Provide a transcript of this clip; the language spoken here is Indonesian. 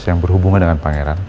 yang berhubungan dengan pangeran